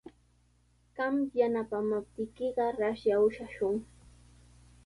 Qam yanapaamaptiykiqa raslla ushashun.